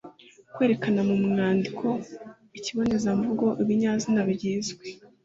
Kwerekana mu mwandiko Ikibonezamvugo Ibinyazina byizwe